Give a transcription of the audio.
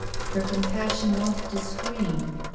Her compassion wanted to scream.